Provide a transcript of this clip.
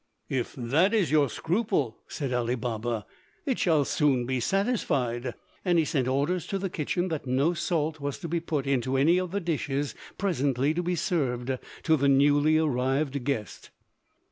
"If that is your scruple," said Ali Baba, "it shall soon be satisfied," and he sent orders to the kitchen that no salt was to be put into any of the dishes presently to be served to the newly arrived guest.